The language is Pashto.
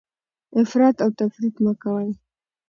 افراط او تفریط مه کوئ.